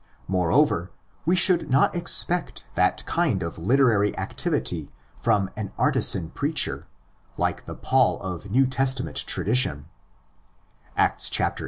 More over, we should not expect that kind of literary activity from an artisan preacher like the Paul of New Testament tradition (Acts xviii.